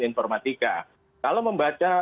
informatika kalau membaca